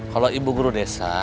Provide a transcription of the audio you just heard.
kalau ibu guru desa